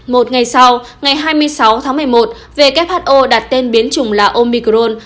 một ngày sau ngày hai mươi sáu tháng một mươi một who đặt tên biến trùng là omicron